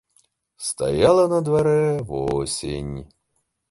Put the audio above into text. Стаяла на дварэ восень.